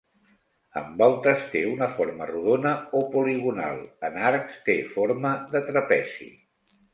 En voltes té una forma rodona o poligonal; en arcs té forma de trapezi.